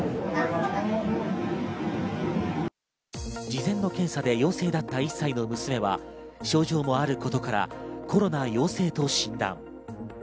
事前の検査で陽性だった１歳の娘は症状もあることから、コロナ陽性と診断。